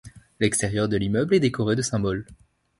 L'extérieur de l'immeuble est décoré de symboles.